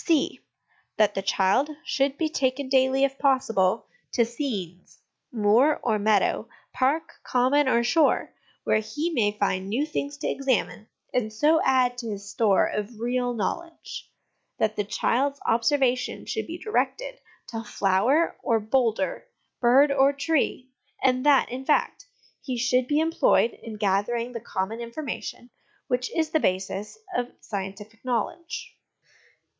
(c) That the child should be taken daily, if possible, to scenes moor or meadow, park, common, or shore where he may find new things to examine, and so add to his store of real knowledge. That the child's observation should be directed to flower or boulder, bird or tree ; that, in fact, he should be employed in gathering the common information which is the basis of scientific knowledge.